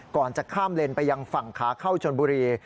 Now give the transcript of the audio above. ก่อนจะข้ามเลนไปยังฝั่งขาเข้าชนบุรี